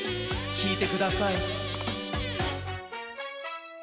きいてください。